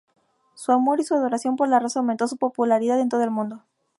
Su amor y adoración por la raza aumentó su popularidad en todo el mundo.